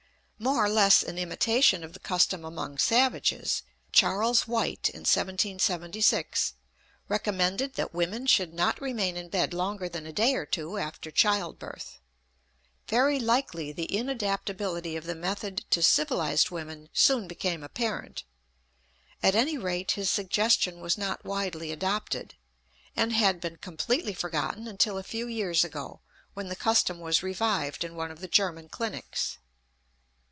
More or less in imitation of the custom among savages, Charles White, in 1776, recommended that women should not remain in bed longer than a day or two after child birth. Very likely the inadaptability of the method to civilized women soon became apparent; at any rate his suggestion was not widely adopted, and had been completely forgotten until a few years ago, when the custom was revived in one of the German clinics.